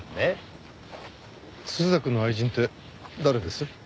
朱雀の愛人って誰です？